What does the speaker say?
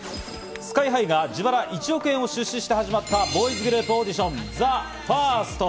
ＳＫＹ−ＨＩが自腹１億円を出資して始まったボーイズグループオーディション、ＴＨＥＦＩＲＳＴ。